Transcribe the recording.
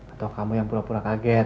atau kamu yang pura pura kaget